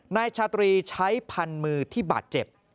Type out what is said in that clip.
นายชาตรีใช้พันมือที่บาดเจ็บ